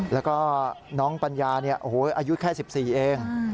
แล้วก็น้องปัญญาอายุแค่๑๔เอง